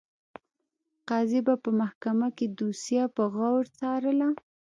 قاضي به په محکمه کې دوسیه په غور څارله.